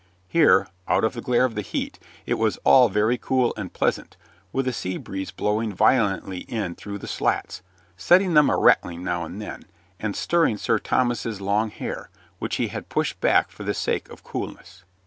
Here, out of the glare of the heat, it was all very cool and pleasant, with a sea breeze blowing violently in through the slats, setting them a rattling now and then, and stirring Sir Thomas's long hair, which he had pushed back for the sake of coolness.